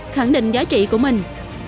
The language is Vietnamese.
khẳng định giá trị của mình